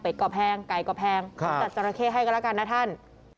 เป็ดก่อแพงไก่ก่อแพงจัดจราเข้ให้ก็ละกันนะท่าน